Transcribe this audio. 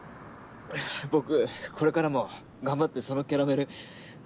僕これからも頑張ってそのキャラメル売り続けるよ。